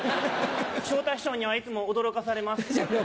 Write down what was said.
昇太師匠にはいつも驚かされます。